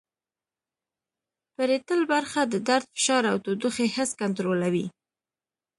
پریټل برخه د درد فشار او تودوخې حس کنترولوي